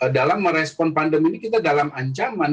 dalam merespon pandemi ini kita dalam ancaman